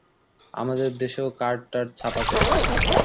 আমাদেরও তো কার্ডটার্ড ছাপাতে হয়।